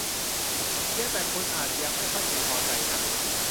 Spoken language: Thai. เพียงแต่คุณอาจยังไม่ค่อยพึงพอใจนัก